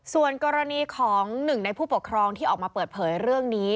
ส่วนกรณีของหนึ่งในผู้ปกครองที่ออกมาเปิดเผยเรื่องนี้